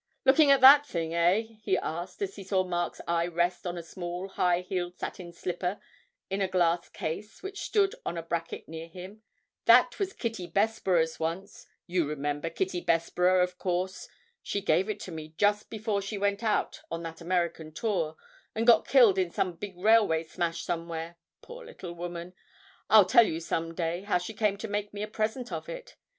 Looking at that thing, eh?' he asked, as he saw Mark's eye rest on a small high heeled satin slipper in a glass case which stood on a bracket near him. 'That was Kitty Bessborough's once you remember Kitty Bessborough, of course? She gave it to me just before she went out on that American tour, and got killed in some big railway smash somewhere, poor little woman! I'll tell you some day how she came to make me a present of it.